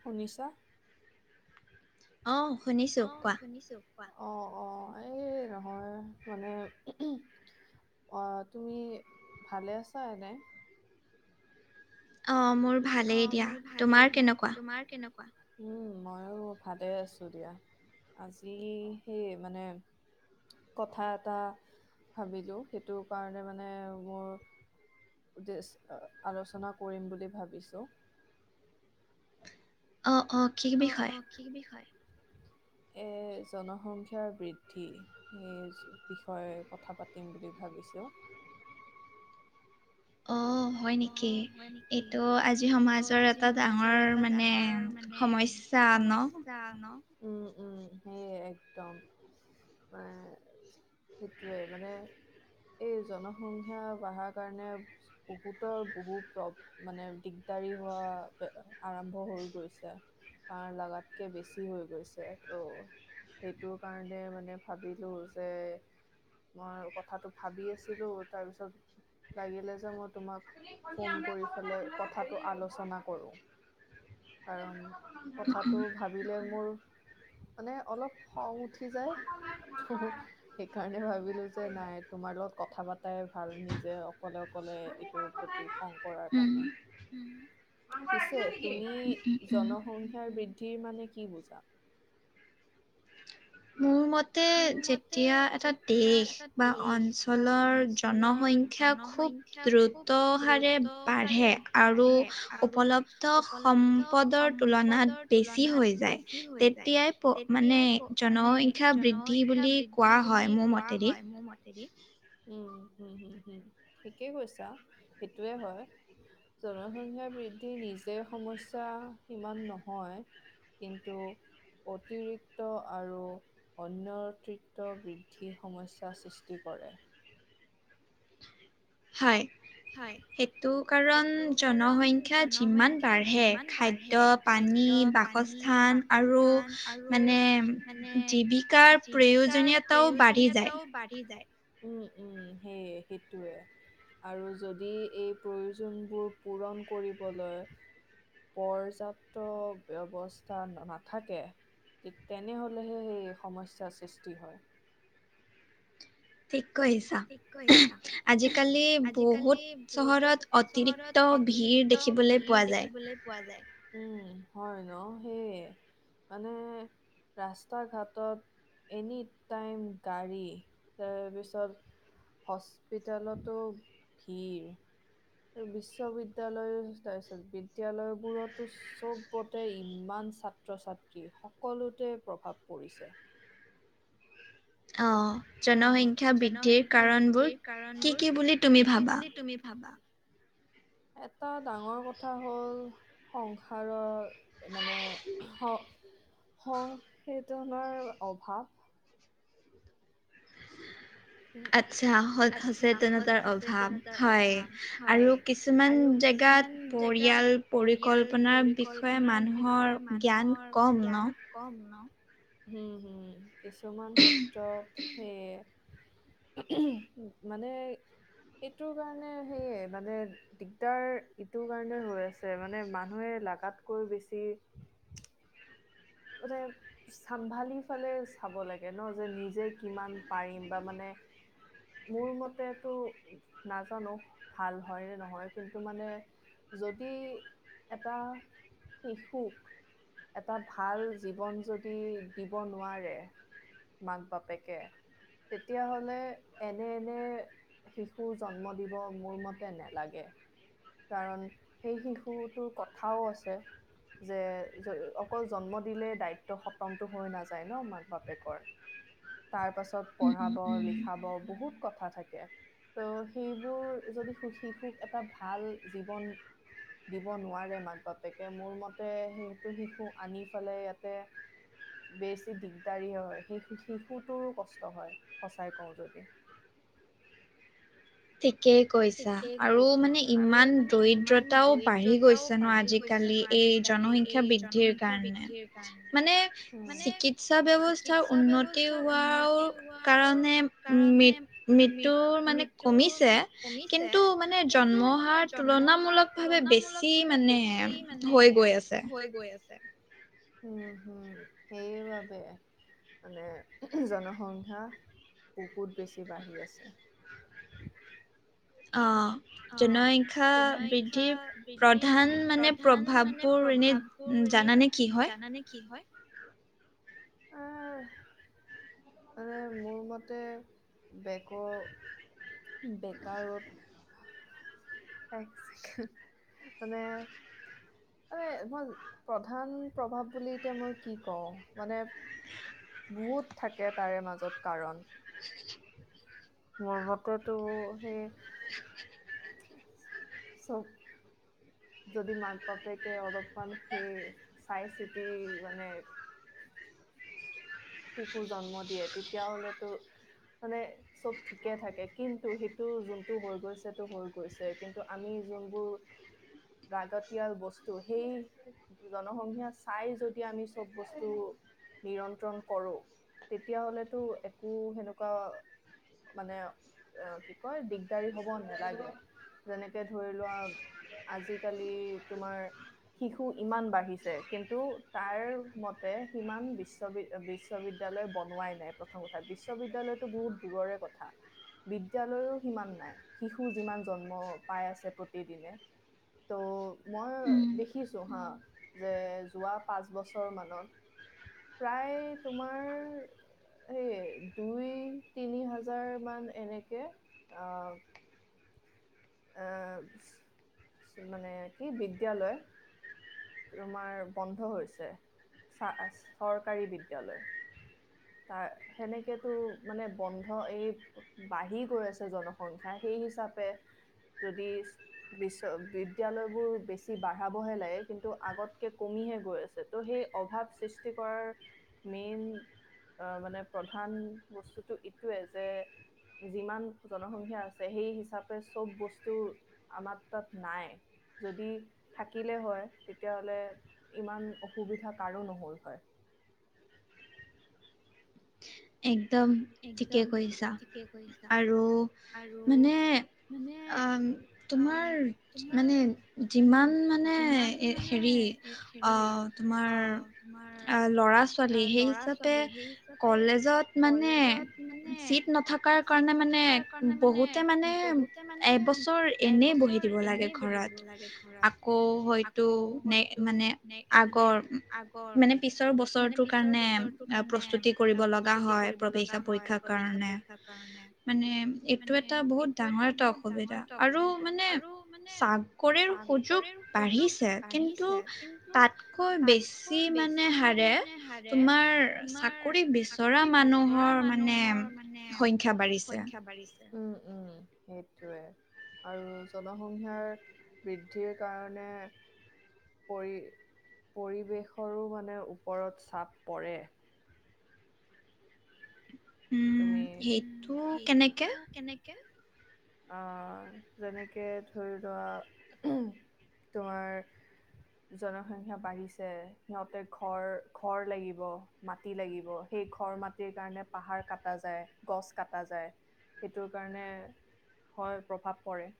শুনিছ আহ শুনিছো অ অ এই নহয় মানে অ তুমি ভালে আছা এনে অ মোৰ অ মোৰ ভালেই দিয়া তোমাৰ কেনেকুৱা উম মইয়ো ভালে আছো দিয়া আজি সেই মানে কথা এটা ভাবিলো সেইটো কাৰণে মানে মোৰ উদেশ্য আলোচনা কৰিম বুলি ভাবিছো অঁ অঁ অ অ কি বিষয় এ জনসংখ্যাৰ বৃদ্ধি সেই বিষয়ে কথা পাতিম বুলি ভাবিছো অ হয় নেকি এইটো আজি সমাজৰ এটা ডাঙৰ মানে সমস্যা সমস্যা ন উম উম সেইয়ে একদম ম সেইটোৱে মানে এই জনসংখ্যা বাঢ়াৰ কাৰণে বহুতৰ বহু প্ৰ মানে দিগদাৰী হোৱা আৰম্ভ হৈ গৈছে কাৰণ লগাতকে বেছি হৈ গৈছে ত' সেইটোৰ কাৰণে মানে ভাবিলো যে মই কথাটো ভাবি আছিলো তাৰপিছত লাগিলে যে মই তোমাক ফোন কৰি ফেলাই কথাটো আলোচনা কৰো কাৰণ কথাটো ভাবিলে মোৰ মানে অলপ খং উঠি যায় হু হু সেইকাৰণে ভাবিলো যে নাই তোমাৰ লগত কথা পাতাই ভাল নিজে অকলে অকলে এইটো প্ৰতি খং কৰাৰ কাৰণে পিছে তুমি জনসংখ্যাৰ বৃদ্ধিৰ মানে কি বুজা মোৰ মত যেতিয়া এটা দেশ বা অঞ্চলৰ জনসংখ্যা খুব দ্ৰুত হাৰে বাঢ়ে আৰু উপলব্ধ সম্পদৰ তুলনাত বেছি হৈ যায় তেতিয়াই প মানে জন‌ই জনসংখ্যা বৃদ্ধি বুলি কোৱা হয় মোৰ মতেদি উম হম হম হম ঠিকেই কৈছা সেইটোয়ে হয় জনসংখ্যা বৃদ্ধি নিজে সমস্য সিমান নহয় কিন্তু অতিৰিক্ত আৰু অন্যতৃত্ব বৃদ্ধি সমস্যাৰ সৃষ্টি কৰে হয় হয় সেইটো কাৰণ জনসংখ্যা যিমান বাঢ়ে খাদ্য পানী বাসস্থান আৰু মানে জীৱিকাৰ প্ৰয়োজনীয়তাও বাঢ়ি যায়। উম উম সেইয়ে সেইটোয়ে। আৰু যদি এই প্ৰয়োজনবোৰ পূৰণ কৰিবলৈ পৰ্যাপ্ত ব্যৱস্থা নাথাকে ঠিক তেনেহলেহে সেই সমস্যাৰ সৃষ্টি হয়। ঠিক কৈ ঠিক কৈছা। আজিকালি বহুত চহৰত অতিৰিক্ত ভিৰ দেখিবলৈ পোৱা যায়। উম হয় ন সেইয়ে। মানে ৰাস্তা ঘাটত এনি টাইম গাড়ী তাৰপিছত হস্পিটেলতো ভিৰ বিশ্ববিদ্যয়ালয় তাৰপিছত বিদ্যালয়বোৰতো চবতে ইমান ছাত্ৰ ছাত্ৰী সকলোতে প্ৰভাৱ পৰিছে। অঁ জনসংখ্যা বৃদ্ধিৰ কাৰণবোৰ কি কি বুলি তুমি ভাবা? তুমি ভাবা? এটা ডাঙৰ কথা হ'ল সংসাৰত মানে সং সত সচেতনৰ অভাৱ উম আচ্ছা, সত সচেতনতাৰ অভাৱ, হয়। আৰু কিছুমান জেগাত পৰিয়াল পৰিকল্পনাৰ বিষয়ে মানুহৰ জ্ঞান কম ন? হুম হুম কিছুমান ক্ষেত্ৰত সেয়ে মানে এইটোৰ কাৰণে সেয়ে মানে দিগদাৰ ইটোৰ কাৰণে হৈ আছে মানে মানুহে লাগাতকৈ বেছি মানে চম্ভালি পেলে চাব লাগে ন, যে নিজে কিমান পাৰিম বা মানে মোৰ মতেটো নাজানো ভাল হয় নে নহয় কিন্তু মানে যদি এটা শিশু এটা ভাল জীৱন যদি দিব নোৱাৰে মাক বাপেকে তেতিয়াহলে এনে এনে শিশুৰ জন্ম দিব মোৰ মতে নেলাগে কাৰন সেই শিশুটোৰ কথাও আছে যে অকল জন্ম দিলে দায়িত্ব খতমটো হৈ নাযায় ন মাক বাপেকৰ তাৰপাছত পঢ়াব লিখাব বহুত কথা থাকে ত' সেইবোৰ যদি সু শিশুক এটা ভাল জীৱন দিব নোৱাৰে মাক বাপেকে মোৰ মতে সেইটো শিশু আনি পালে ইয়াতে বেছি দিগদাৰি হয়, সেই শিশুটোৰ কষ্ট হয়, সচাই কওঁ যদি। ঠিকেই কৈছা। আৰু মানে ইমান দৰিদ্ৰতাও বাঢ়ি গৈছে ন আজিকালি, এই জনসংখ্যা বৃদ্ধিৰ কাৰণে, মানে চিকিৎসা ব্যৱ স্থা উন্নতি হোৱাৰ কাৰণে মৃ মৃত্যুৰ মানে কমিছে। কমিছে, কিন্তু মানে জন্ম হাৰ তুলনামূলক ভাৱে বেছি মানে হৈ গৈ আছে, হুম, হুম, সেইবাবে। মানে জনসংখ্যা বহুত বেছি বাঢ়ি আছে। অ'। জনসংখ্যা বৃদ্ধিৰ প্ৰধান মানে প্ৰভাৱবোৰ এনে বোৰ এনে, জানানে কি হয়? মানে মোৰ মতে বেকৰ বেকাৰ'ত এক চেকেণ্ড, মানে মানে মই, প্ৰধান প্ৰভাৱ বুলি এতিয়া মই কি কওঁ, মানে বহুত থাকে তাৰে মাজত কাৰণ। মোৰ মতেতো সেই চ যদি মাক বাপেকে অলপমান সেই চাই-চিতি মানে শিশু জন্ম দিয়ে, তেতিয়া হলেতো মানে চব ঠিকেই থাকে, কিন্তু, সেইটো যোনটো হৈ গৈছেটো হৈ গৈছে, কিন্তু আমি যোনবোৰ লাগতিয়াল বস্তু সেই জনসংখ্যা চাই যদি আমি চব বস্তু নিয়ন্ত্ৰণ কৰোঁ, তেতিয়াহলেতো একো সেনেকুৱা মানে অ', কি কয়, দিগদাৰি হ'ব নালাগে। যেনেকে ধৰি লোৱা, আজিকালি তোমাৰ শিশু ইমান বাঢ়িছে, কিন্তু তাইৰ মতে সিমান বিশ্ববি বিশ্ববিদ্য়ালয় বনোৱাই নাই প্ৰথম কথা, বিশ্ববিদ্যালয়টো বহুত দূৰৰে কথা। বিদ্যালয়ো সিমান নাই, শিশু যিমান জন্ম পাই আছে প্ৰতিদিনে। ত' মই দেখিছোঁ হা। যে যোৱা পাঁচ বছৰ মানত, প্ৰায় তোমাৰ এই, দুই তিনি হাজাৰ মান এনেকে, অ' অ', মানে কি, বিদ্যালয় তোমাৰ বন্ধ হৈছে, চা, চৰকাৰী বিদ্যালয়। [inaudible] তাৰ, সেনেকেতো মানে বন্ধ, এই বাঢ়ি গৈ আছে জনসংখ্যা, সেই হিচাপে যদি বিশ্ব বিদ্যালয়বোৰ বেছি বাঢ়াবহে লাগে, কিন্তু আগতকে কমিহে গৈ আছে। ত' সেই অভাৱ সৃষ্টি কৰাৰ মেইন আহ, মানে প্ৰধান বস্তুটো ইটোৱে যে যিমান জনসংখ্যা আছে, সেই হিচাপে চব বস্তু ত' আমাৰ তাত নাই। যদি থাকিলে হয়, তেতিয়া হলে ইমান অসুবিধা কাৰোঁ নহ'ল হয়। একদম ঠিকেই কৰিছা, আৰু মানে অ', তোমাৰ মানে যিমান মানে হেৰি অ' তোমাৰ ল'ৰা ছোৱালী, সেই হিচাপে কলেজ য'ত মানে চিট নথকাৰ কাৰণে মানে বহুতে মানে এবছৰ এনেই বহি দিব লাগে ঘৰত, আকৌ হয়তো নে মানে আগৰ মানে পিছৰ বছৰটোৰ কাৰণে প্ৰস্তুতি কৰিব লগা কৰিব লগা হয় প্ৰৱেশা পৰীক্ষাৰ কাৰণে। মানে এইটো এটা বহুত ডাঙৰ এটা অসুবিধা আৰু মানে চা কৰিৰ সুযোগ বাঢ়িছে, কিন্তু তাতকৈ বেছ যি মানে হাৰে তোমাৰ চাকৰি বিচৰা মানুহ জৰা মানুহৰ মানে সংখ্যা বাঢ়িছে, উম্ উম্ সেইটোৱে। আৰু জনসংখ্যাৰ বৃদ্ধিৰ কাৰণে পৰি পৰিৱেশৰো মানে ওপৰত চাপ পৰে। তুমি, সেইটো কেনেকে? আহ যেনেকে ধৰি লোৱা তোমাৰ জনসংখ্যা বাঢ়িছে সিহঁতে ঘৰ ঘৰ লাগিব। মাটি লাগিব, সেই ঘৰ মাটিৰ কাৰণে পাহাৰ কাট কটা যায়, গছ কটা যায় সেইটোৰ কাৰণে হয় প্ৰভাৱ পৰে।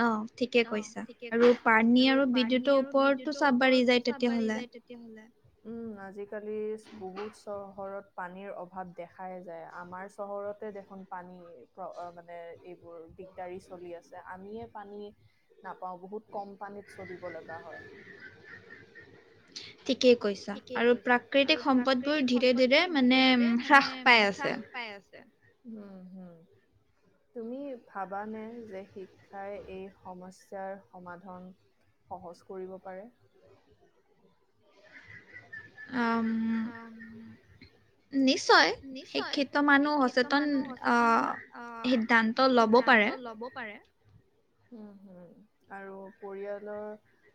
অ ঠিকে কৈছা, আৰু পানী আৰু বিদ্যুৎৰ ওপৰতো চাপ বাঢ়ি যায় তেতিয়াহলে। তিয়াহলে। উম আজিকালি বহুত চহৰত পানীৰ অভাৱ দেখাই যায়, আমাৰ চহৰতে দে এখন পানী মানে এইবোৰ দিগদাৰি চলি আছে, আমিয়ে পানী নাপাওঁ, বহুত কম পানীত চলিব লগা হয়। ঠিকেই কৈছা, আৰু প্ৰাকৃতিক সম্পদবোৰ ধীৰে ধীৰে মানে হ্ৰাস পাই আছ ছে, উম হম। তুমি ভাবানে যে শিক্ষাই এই সমস্যাৰ সমাধান সহজ কৰিব পাৰে? অঁ [inaudible] নিশ্চয় শিক্ষিত মানুহ সচেতন আহ সিদ্ধান্ত লব পাৰে। হোঁ হোঁ আৰু পৰিয়ালৰ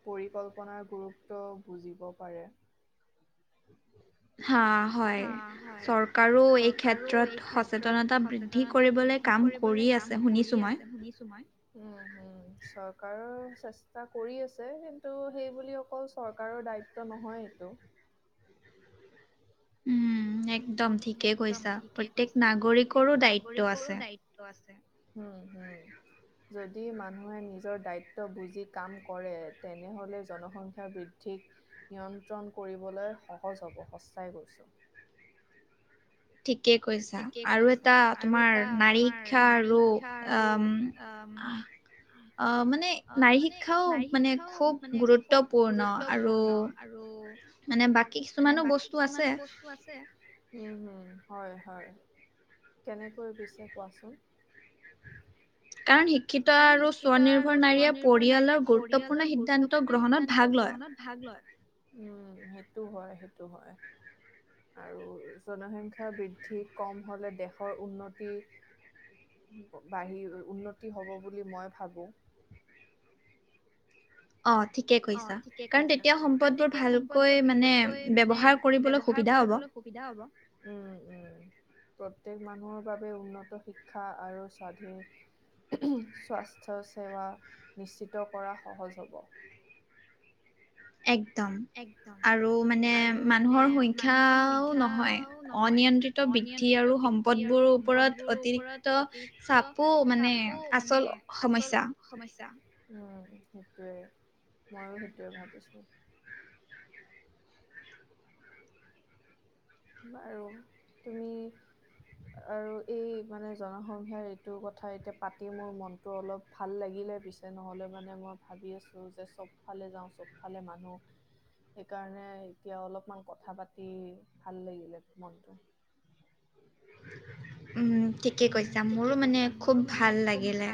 পৰিকল্পনাৰ গুৰুত্ব বুজিব পাৰে। হা। হা হয় চৰকাৰো এই ক্ষেত্ৰত সচেতনতা বৃদ্ধি দ্ধি কৰিবলে কাম কৰিয়ে আছে শুনিছোঁ মই। হুম হুম। চৰকাৰৰ চেষ্টা কৰি আছে, কিন্তু সেইবুলি অকল চৰকাৰৰ দায়িত্ব নহয় এইটো। উম একদম ঠিকে কৈছা, প্ৰত্যেক নাগৰিকৰো দায়িত্ব আছে। ত আছে, হুম হুম। যদি মানুহে নিজৰ দায়িত্ব বুজি কাম কৰে তেনেহলে জনসংখ্যা বৃদ্ধিক নিয়ন্ত্ৰণ কৰিবলে সহজ হব, সঁচাই কৈছোঁ। ঠিকেই কৈছা, আৰু এটা তোমাৰ নাৰী শিক্ষাৰো আম অ মানে নাৰী শিক্ষাও মানে খুব গুৰুত্বপূৰ্ণ আৰু আৰু মানে বাক মানে বা কিছুমানো বস্তু আছে। উম হুম হয় হয়, কেনেকৈ পিছে কোৱাচোন? কাৰণ শি শিক্ষিত আৰু স্বনিৰ্ভৰ নাৰীয়ে পৰিয়ালৰ গুৰুত্বপূৰ্ণ সিদ্ধান্ত গ্ৰহণত ভাগ লয়। ভাগ লয়। উম সেইটো হয় সেইটো হয়। আৰু জনসংখ্যা বৃদ্ধি কম হলে দেশৰ উন্নতি বাঢ়ি উন্নতি হ'ব বুলি মই ভাবোঁ। অ', ঠিকে কৈছা কাৰণ তেতিয়া সম্পদবোৰ ভালকৈ মানে ব্যৱহাৰ কৰিবলৈ সুবিধা হ'ব, উম, উম। প্ৰত্যেক মানুহৰ বাবে উন্নত শিক্ষা আৰু স্বাধীন স্বাস্থ্য সেৱা নিশ্চিত কৰা সহজ হ'ব। একদম আৰু মানে মানুহৰ সংখ্যাও নহয়। অনিয়ন্ত্ৰিত বৃদ্ধি আৰু সম্পদবোৰৰ ওপৰত অতিৰিক্ত চাপো মানে আচল সমস্যা উম, সেইটোৱে ময়ো সেইটোৱে ভাবিছো। বাৰু তুমি আৰু এই মানে জনসংখ্যা ইটোৰ কথা এতিয়া পাতি মোৰ মনটো অলপ ভাল লাগিলে পিছে নহ'লে মানে মই ভাবি আছোঁ যে চবফালে যাওঁ চবফালে মানুহ। সেইকাৰণে এতিয়া অলপমান কথা পাতি ভাল লাগিলে মনটো। উম। ঠিকেই কৈছা, মোৰো মানে খুব ভাল লাগিলে,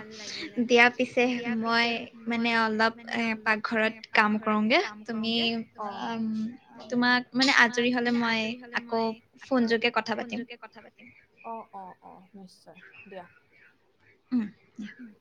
দিয়া পিছে মই মানে অলপ এ পাকঘৰত কাম কৰোগে তুমি অ', তোমাক মানে আজৰি হ'লে মই আকৌ ফোনযোগে কথা পাতিম। অ', অ', অ', নিশ্চয় দিয়া। উম। উম।